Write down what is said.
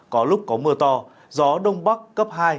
có lúc có mưa to gió đông bắc cấp hai